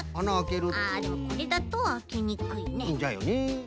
あでもこれだとあけにくいね。